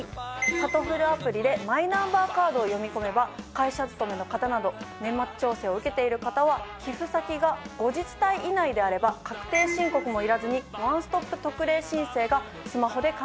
さとふるアプリでマイナンバーカードを読み込めば会社勤めの方など年末調整を受けている方は寄付先が５自治体以内であれば確定申告もいらずにワンストップ特例申請がスマホで完結。